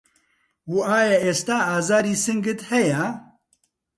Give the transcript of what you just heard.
و ئایا ئێستا ئازاری سنگت هەیە؟